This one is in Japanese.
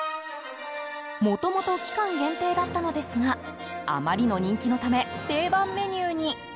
もともと期間限定だったのですがあまりの人気のため定番メニューに。